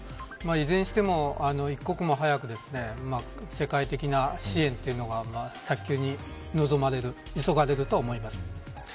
いずれにしても、一刻も早く世界的な支援ということが早急に望まれる急がれると思います。